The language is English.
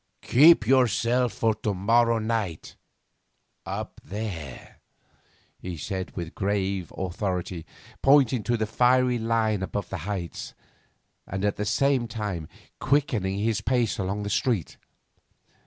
'Keep yourself for to morrow night up there,' he said with grave authority, pointing to the fiery line upon the heights, and at the same time quickening his pace along the street.